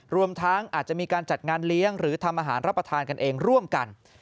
รวมทั้งอาจจะมีการจัดงานเลี้ยงหรือทำอาหารรับประทานกันเองร่วมกัน